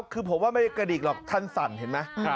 คือผมว่าไม่ได้กระดิกหรอกท่านสั่นเห็นไหม